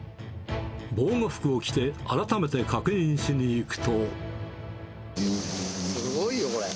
防護服を着て、改めて確認しに行すごいよ、これ。